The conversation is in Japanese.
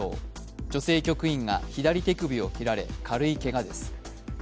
女性局員が左手首を切られ軽いけがです。